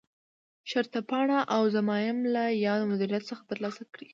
شرطپاڼه او ضمایم له یاد مدیریت څخه ترلاسه کړي.